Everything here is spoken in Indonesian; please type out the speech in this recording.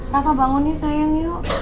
rafa bangun yuk sayang yuk